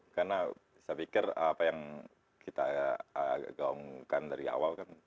karena saya pikir apa yang kita agak gaungkan dari awal kan